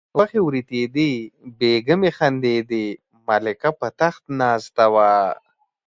غوښې وریتېدې بیګمې خندېدې ملکه په تخت ناسته وه.